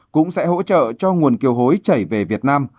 cũng sẽ hỗ trợ cho nguồn kiều hối chảy về việt nam